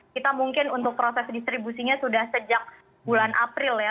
kita mungkin untuk proses distribusinya sudah sejak bulan april ya